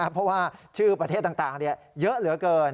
เพราะว่าชื่อประเทศต่างเยอะเหลือเกิน